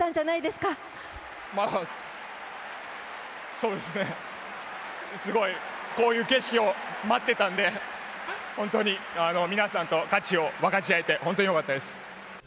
そうですね、すごいこういう景色を待ってたので本当に皆さんと勝ちを分かち合えて本当によかったです。